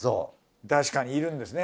確かにいるんですね。